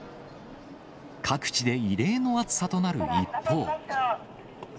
各地で異例の暑さとなる一方。